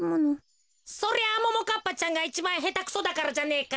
そりゃあももかっぱちゃんがいちばんヘタクソだからじゃねえか？